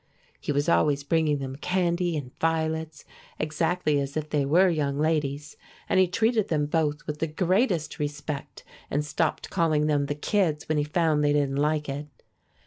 He was always bringing them candy and violets, exactly as if they were young ladies, and he treated them both with the greatest respect, and stopped calling them the kids when he found they didn't like it.